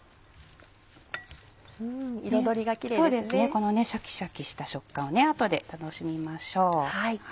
このシャキシャキした食感を後で楽しみましょう。